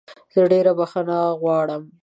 زه ډېره بخښنه غواړم